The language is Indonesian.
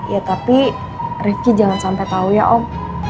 ya tapi rifki jangan sampai tahu ya om